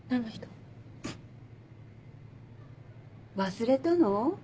忘れたの？